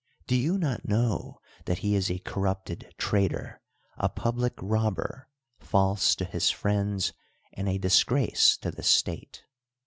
Do you not know that he is a corrupted traitor, a public robber, false to his friends, and a disgrace to the state?